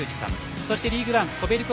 そしてリーグワンコベルコ